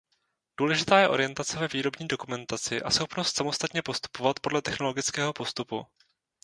Důležitá je orientace ve výrobní dokumentaci a schopnost samostatně postupovat podle technologického postupu.